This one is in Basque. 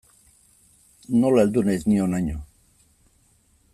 Nola heldu naiz ni honaino.